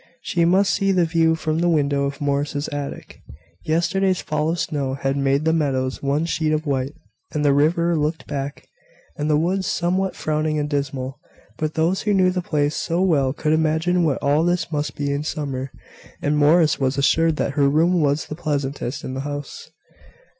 She must see the view from the window of Morris's attic. Yesterday's fall of snow had made the meadows one sheet of white; and the river looked black, and the woods somewhat frowning and dismal; but those who knew the place so well could imagine what all this must be in summer; and Morris was assured that her room was the pleasantest in the house.